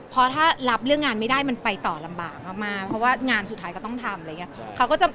เพราะถ้ารับเรื่องงานไม่ได้มันไปลำบากมากเพราะงานสุดท้ายก็ต้องทำ